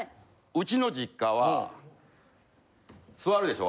うちの実家は座るでしょ？